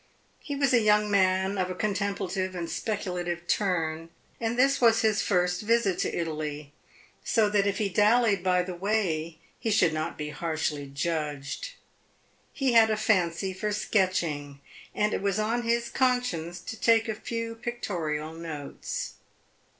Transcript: He was a young man of a contemplative and speculative turn, and this was his first visit to Italy, so that if he dallied by the way he should not be harshly judged. He had a fancy for sketching, and it was on his conscience to take a few pictorial notes.